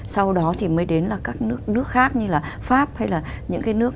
sau đó thì mới đến là các nước khác như là pháp hay là những cái nước